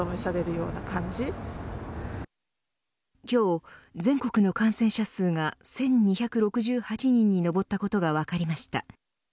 今日全国の感染者数が１２６８人に上ったことが分かりました。